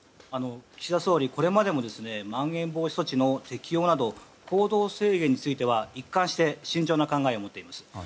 岸田総理はこれまでもまん延防止措置の適用など行動制限については一貫して慎重な考えを持っています。